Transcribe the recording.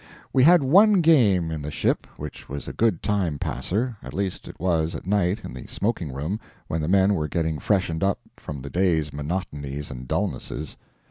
We had one game in the ship which was a good time passer at least it was at night in the smoking room when the men were getting freshened up from the day's monotonies and dullnesses.